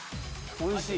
おいしい？